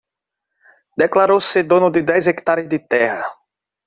Declarou ser dono de dez hequitares de terra